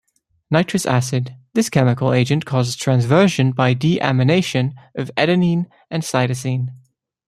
Nitrous Acid - This chemical agent causes transversion by de-amination of adenine and cytosine.